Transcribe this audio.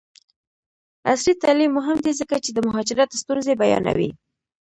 عصري تعلیم مهم دی ځکه چې د مهاجرت ستونزې بیانوي.